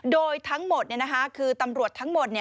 โดยทั้งหมดคือตำรวจทั้งหมด